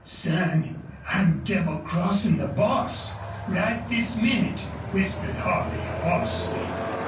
"Son, I'm double crossin' the boss, right this minnit!" whispered Holley, hoarsely.